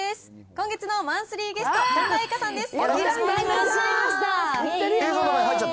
今月のマンスリーゲスト、神田愛花さんです。